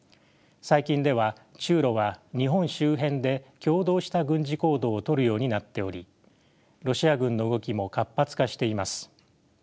最近では中ロは日本周辺で共同した軍事行動をとるようになっておりロシア軍の動きも活発化しています。